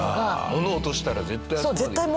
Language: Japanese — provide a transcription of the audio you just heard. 物落としたら絶対あそこまで行く。